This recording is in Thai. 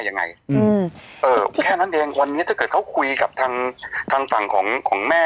แค่นั้นแหลงวันนี้ถ้าเกิดเขาคุยกับทางฝั่งของแม่